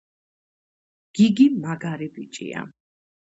გიგი მაგარი ბიჭია